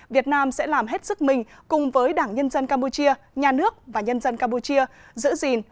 việt nam sẽ làm hết sức mình cùng với đảng nhân dân campuchia nhà nước và nhân dân campuchia giữ gìn